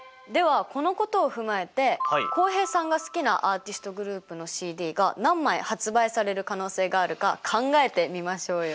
このことを踏まえて浩平さんが好きなアーティストグループのＣＤが何枚発売される可能性があるか考えてみましょうよ。